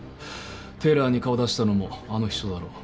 テーラーに顔出したのもあの秘書だろう。